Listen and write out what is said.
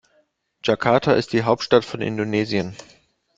Jakarta ist die Hauptstadt von Indonesien.